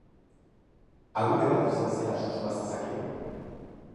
Agure bat izan zela susma zezakeen.